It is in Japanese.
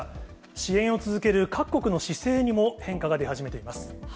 支援を続ける各国の姿勢にも変化が出始めています。